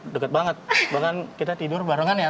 deket banget bahkan kita tidur barengan ya